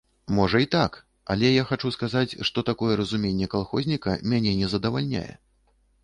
Можа і так, але я хачу сказаць, што такое разуменне калхозніка мяне не задавальняе.